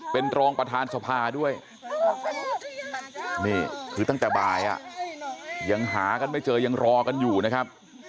เป็นรองประธานสภาด้วยนี่คือตั้งแต่บ่ายยังหากันไม่เจอยังรอกันอยู่นะครับ